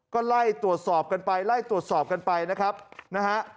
ก็ไล่ตรวจสอบกันไปไล่ตรวจสอบกันไปนะครับนะฮะ